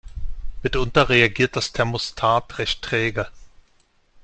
Mitunter reagiert das Thermostat recht träge.